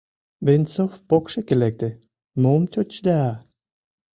— Венцов покшеке лекте, — мом тӧчеда?